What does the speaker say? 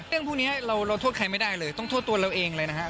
พวกนี้เราโทษใครไม่ได้เลยต้องโทษตัวเราเองเลยนะครับ